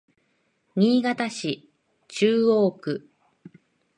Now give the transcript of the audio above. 新潟市中央区